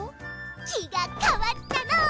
気がかわったの！